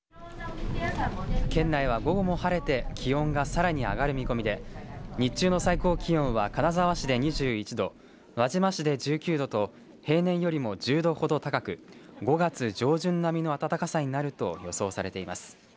県内は午後も晴れて気温がさらに上がる見込みで日中の最高気温は金沢市で２１度輪島市で１９度と平年よりも１０度ほど高く５月上旬並みの暖かさになると予想されています。